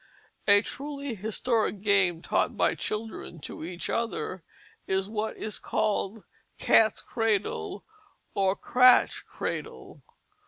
A truly historic game taught by children to each other, is what is called cats cradle or cratch cradle.